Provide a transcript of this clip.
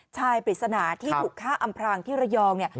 ชายปฏิสนาที่ถูกฆ่าอำพลางที่ระยอง